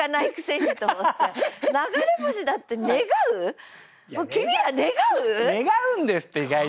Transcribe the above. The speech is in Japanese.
私もうね願うんですって意外と。